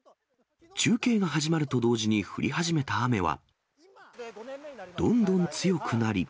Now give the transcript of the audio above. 中継が始まると同時に降り始めた雨は、どんどん強くなり。